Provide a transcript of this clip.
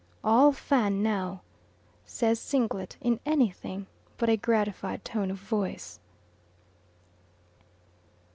"All Fan now," says Singlet in anything but a gratified tone of voice.